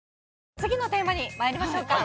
次のテーマに参りましょうか。